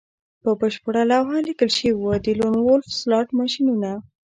په بشپړه لوحه لیکل شوي وو د لون وولف سلاټ ماشینونه